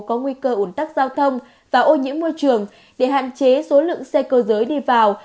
có nguy cơ ủn tắc giao thông và ô nhiễm môi trường để hạn chế số lượng xe cơ giới đi vào